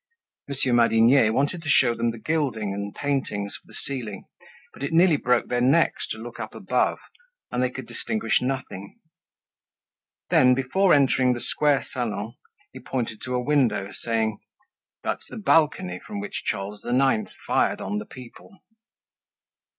Monsieur Madinier wanted to show them the gilding and paintings of the ceiling; but it nearly broke their necks to look up above, and they could distinguish nothing. Then, before entering the Square Salon, he pointed to a window, saying: "That's the balcony from which Charles IX. fired on the people."